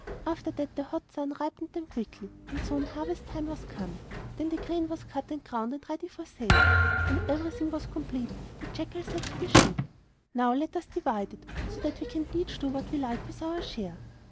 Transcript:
After that the hot sun ripened them quickly, and soon harvest time was come. Then the grain was cut and ground and ready for sale. When everything was complete, the jackal said to the sheep: 'Now let us divide it, so that we can each do what we like with his share.